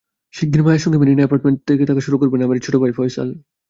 শিগগির মায়ের সঙ্গে মেরিনা অ্যাপার্টমেন্টে থাকা শুরু করবেন আমিরের ছোট ভাই ফয়সাল।